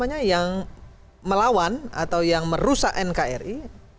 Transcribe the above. yang melawan atau yang merusak nkri